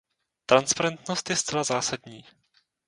Transparentnost je zcela zásadní.